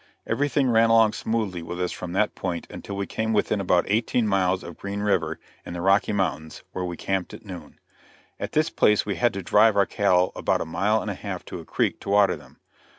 Everything ran along smoothly with us from that point until we came within about eighteen miles of Green river, in the Rocky mountains where we camped at noon. At this place we had to drive our cattle about a mile and a half to a creek to water them.